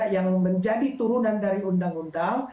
yang menjadi turunan dari undang undang